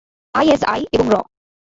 ISI এবং র।